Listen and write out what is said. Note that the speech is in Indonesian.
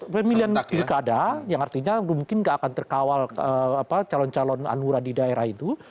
pemilihan pilkada yang artinya mungkin nggak akan terkawal calon calon anura di daerah itu